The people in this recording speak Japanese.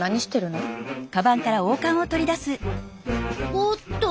おっと！？